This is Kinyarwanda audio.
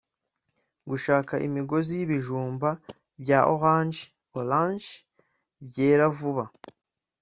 gushaka imigozi y’ibijumba bya oranje (Orange) byera vuba